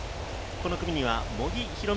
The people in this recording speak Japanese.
この組には茂木宏美